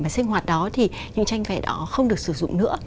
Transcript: thế thì những tranh vẽ đó không được sử dụng nữa